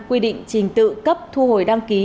quy định trình tự cấp thu hồi đăng ký